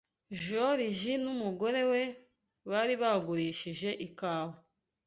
Joriji n’umugore we bari bagurishije ikawa